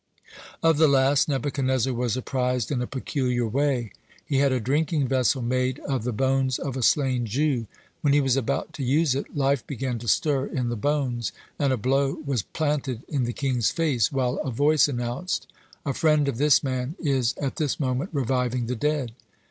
Of the last, Nebuchadnezzar was apprised in a peculiar way. He had a drinking vessel made of the bones of a slain Jew. When he was about to use it, life began to stir in the bones, and a blow was planted in the king's face, while a voice announced: "A friend of this man is at this moment reviving the dead!"